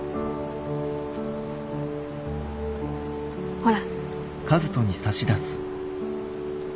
ほら。